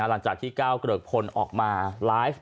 หลังจากที่ก้าวเกริกพลออกมาไลฟ์